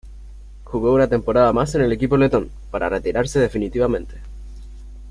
Jugó una temporada más en el equipo letón, para retirarse definitivamente.